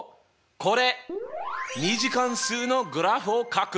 これ２次関数のグラフをかく！